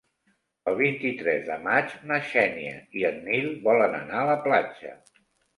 El vint-i-tres de maig na Xènia i en Nil volen anar a la platja.